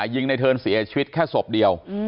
ยิงในเทิร์นเสียชีวิตแค่ศพเดียว